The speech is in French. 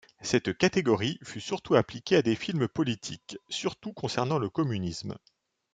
Cette catégorie fut surtout appliquée à des films politiques, surtout concernant le communisme.